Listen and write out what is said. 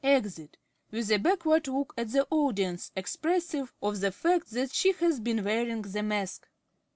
(_Exit, with a backward look at the audience expressive of the fact that she has been wearing the mask.